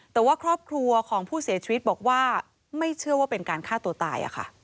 แต่ว่าครอบครัวของผู้เสียชีวิตบอกว่าไม่เชื่อว่าเป็นการฆ่าตัวตาย